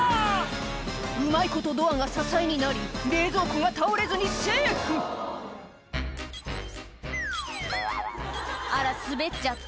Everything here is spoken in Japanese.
うまいことドアが支えになり冷蔵庫が倒れずにセーフ「あら滑っちゃった？